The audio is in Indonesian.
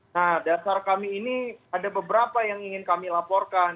nah dasar kami ini ada beberapa yang ingin kami laporkan